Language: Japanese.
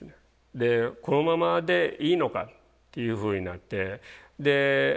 このままでいいのかっていうふうになってでどうしようかと。